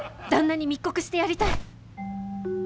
旦那に密告してやりたい！